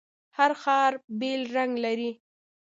هر ښار بیل رنګ لري.